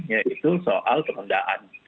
ya itu soal penundaan